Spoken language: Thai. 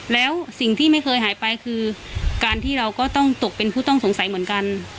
แล้วสิ่งที่ไม่เคยหายไปคือการที่เราก็ต้องตกเป็นผู้ต้องสงสัยเหมือนกัน